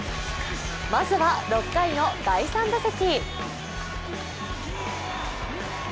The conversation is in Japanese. まずは６回の第３打席。